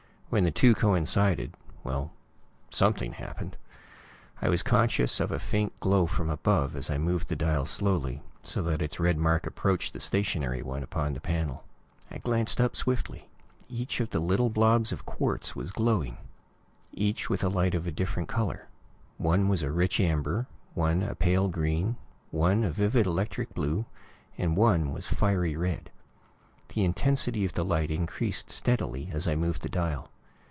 When the two coincided well, something happened. I was conscious of a faint glow from above as I moved the dial slowly, so that its red mark approached the stationary one upon the panel. I glanced up swiftly. Each of the little blobs of quartz was glowing; each with a light of different color. One was a rich amber, one a pale green, one a vivid, electric blue, and one was fiery red. The intensity of the light increased steadily as I moved the dial.